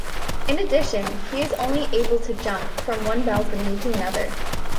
In addition, he is only able to jump from one balcony to another.